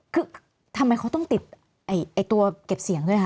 คือทำไมเขาต้องติดตัวเก็บเสียงด้วยคะ